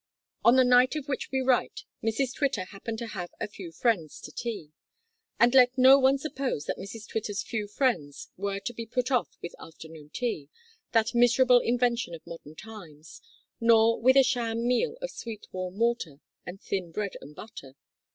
On the night of which we write Mrs Twitter happened to have a "few friends" to tea. And let no one suppose that Mrs Twitter's few friends were to be put off with afternoon tea that miserable invention of modern times nor with a sham meal of sweet warm water and thin bread and butter.